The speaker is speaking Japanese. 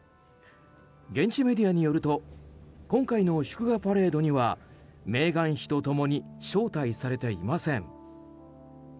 現地メディアによると今回の祝賀パレードにはメーガン妃と共に招待されていません。